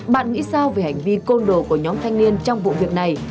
bạn nghĩ sao về hành vi côn đồ của nhóm thanh niên trong vụ việc này